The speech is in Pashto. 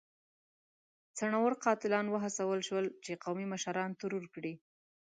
څڼيور قاتلان وهڅول شول چې قومي مشران ترور کړي.